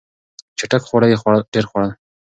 چټک خواړه یې ډېر خوړل.